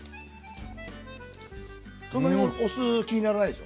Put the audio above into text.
そんなにお酢気にならないでしょ。